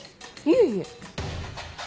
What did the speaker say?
いえいえ。